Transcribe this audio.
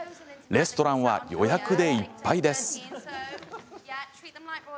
レストランは予約でいっぱいです。